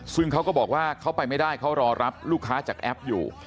ซึ่งเขาก็บอกว่าเขาไปไม่ได้เขารอรับลูกค้าจากแอปอยู่